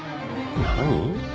何？